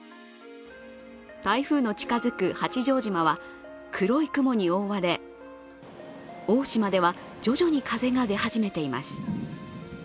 台風の近づく八丈島は、黒い雲に覆われ、大島では徐々に風が出始めています。